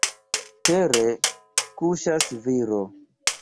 Tere kuŝas viro.